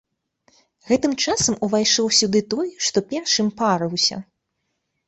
Гэтым часам увайшоў сюды той, што першым парыўся.